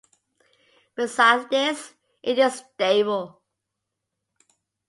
Besides this, it is stable.